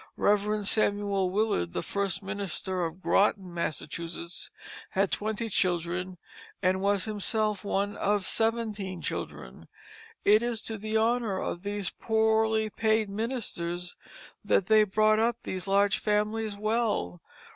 Rev. Samuel Willard, the first minister of Groton, Massachusetts, had twenty children, and was himself one of seventeen children. It is to the honor of these poorly paid ministers that they brought up these large families well.